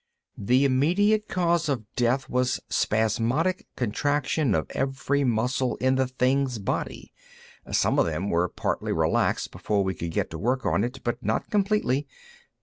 "The immediate cause of death was spasmodic contraction of every muscle in the thing's body; some of them were partly relaxed before we could get to work on it, but not completely.